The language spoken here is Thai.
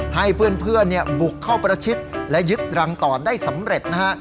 ให้เพื่อนบุกเข้าประชิดและยึดรังต่อได้สำเร็จนะฮะ